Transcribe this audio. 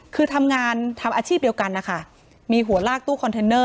คือทำงานทำอาชีพเดียวกันนะคะมีหัวลากตู้คอนเทนเนอร์